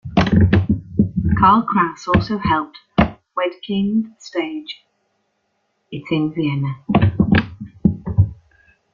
Karl Kraus also helped Wedekind stage it in Vienna.